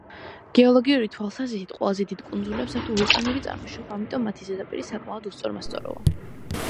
გეოლოგიური თვალსაზრისით, ყველაზე დიდ კუნძულებს აქვთ ვულკანური წარმოშობა, ამიტომ მათი ზედაპირი საკმაოდ უსწორმასწოროა.